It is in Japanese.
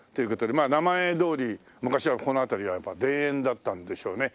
まあ名前どおり昔はこの辺りはやっぱり田園だったんでしょうね。